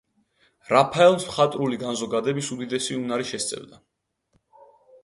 რაფაელს მხატვრული განზოგადების უდიდესი უნარი შესწევდა.